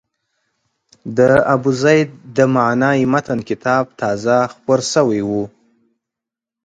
د ابوزید د معنای متن کتاب تازه خپور شوی و.